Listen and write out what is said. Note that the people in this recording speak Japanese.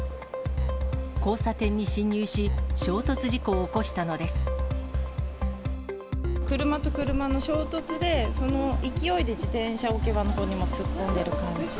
交差点に進入し、車と車の衝突で、その勢いで自転車置き場のほうにも突っ込んでる感じ。